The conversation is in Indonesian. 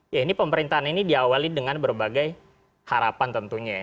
ya ini pemerintahan ini diawali dengan berbagai harapan tentunya ya